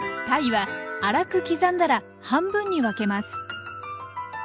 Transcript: たいは粗く刻んだら半分に分けます。